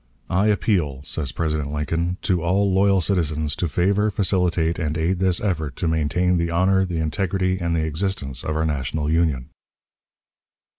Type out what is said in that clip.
"I appeal," says President Lincoln, "to all loyal citizens to favor, facilitate, and aid this effort to maintain the honor, the integrity, and the existence of our national Union."